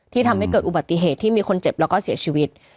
ทำให้เกิดอุบัติเหตุที่มีคนเจ็บแล้วก็เสียชีวิต